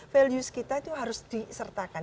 values kita itu harus disertakan